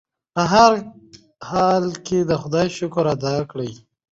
په هر حال کې د خدای شکر ادا کړئ.